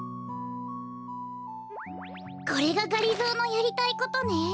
これががりぞーのやりたいことね。